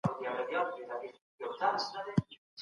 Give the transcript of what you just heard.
د بې علمه بحث کول وخت ضایع کول دي.